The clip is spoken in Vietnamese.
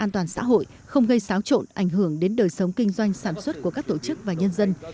an toàn xã hội không gây xáo trộn ảnh hưởng đến đời sống kinh doanh sản xuất của các tổ chức và nhân dân